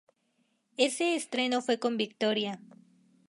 Ese estreno fue con victoria.